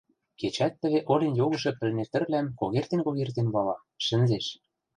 Кечӓт тӹве олен йогышы пӹлнер тӹрвлӓм когертен-когертен вала, шӹнзеш.